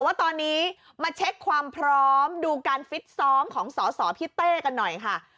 ว่าตอนนี้มาเช็คความพร้อมดูการฟิตซ้อมของสอสอพี่เต้กันหน่อยค่ะ